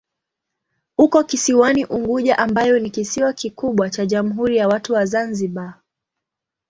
Uko kisiwani Unguja ambayo ni kisiwa kikubwa cha Jamhuri ya Watu wa Zanzibar.